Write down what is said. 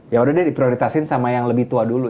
yaudah deh diprioritasin sama yang lebih tua dulu